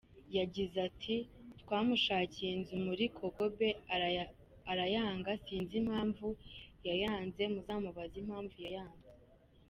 Yagize ati“Twamushakiye inzu muri Kokobe arayanga sinzi impamvu yayanze ,muzamubaze impamvu yayanze.